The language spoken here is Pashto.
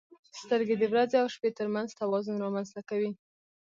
• سترګې د ورځې او شپې ترمنځ توازن رامنځته کوي.